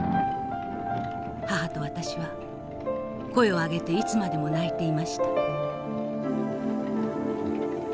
母と私は声を上げていつまでも泣いていました」。